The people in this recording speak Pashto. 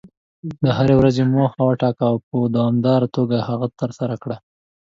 د هرې ورځې موخه وټاکه، او په دوامداره توګه هغه ترسره کړه.